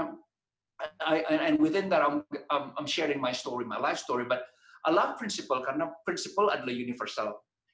dan di dalamnya saya berbagi tentang cerita hidup saya tapi saya suka prinsip karena prinsip adalah universal